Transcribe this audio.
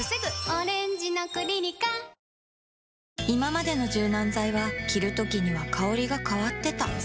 いままでの柔軟剤は着るときには香りが変わってた